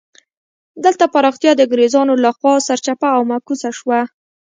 دلته پراختیا د انګرېزانو له خوا سرچپه او معکوسه شوه.